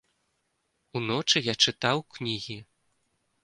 Уночы я чытаў кнігі.